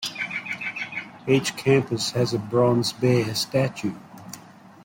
Each campus has a bronze bear statue.